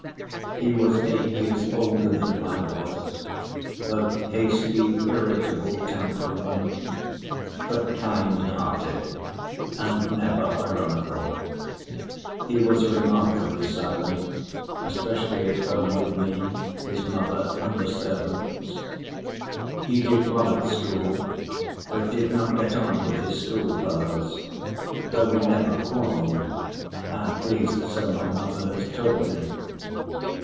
He was eight years older than I was, of hasty irritable temperament, but kind‐hearted and never ironical. He was remarkably silent, especially at home with me, his mother, and the servants. He did well at school, but did not get on with his schoolfellows, though he never quarreled, at least so my mother has told me.